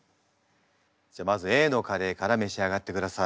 じゃあまずＡのカレーから召し上がってください。